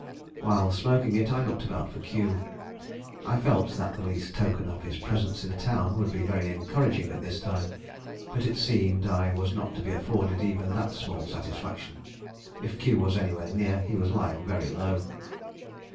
While smoking it, I looked about for Q. I felt that the least token of his presence in town would be very encouraging at this time. But it seemed I was not to be afforded even that small satisfaction. If Q was anywhere near, he was lying very low.